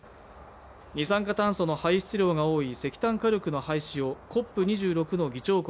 二酸化炭素の排出量が多い石炭火力の廃止をＣＯＰ２６の議長国